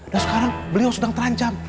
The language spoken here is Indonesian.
dan sekarang beliau sedang terancam